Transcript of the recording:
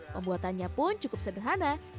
pembuatannya pun cukup sederhana